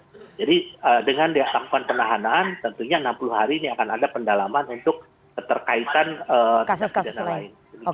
jadi dengan diatakan penahanan tentunya enam puluh hari ini akan ada pendalaman untuk keterkaitan tindakan pidana lain